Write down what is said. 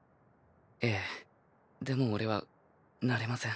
えぇでもオレはなれません。